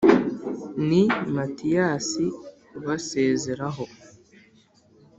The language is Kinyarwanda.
Ni Matiyasi ubasezeraho.